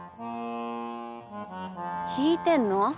聞いてんの？